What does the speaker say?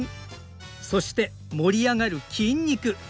そして盛り上がる筋肉。